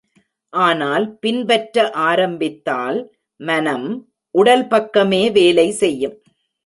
ஆனால் பின்பற்ற ஆரம்பித்தால் மனம், உடல் பக்கமே வேலை செய்யும்.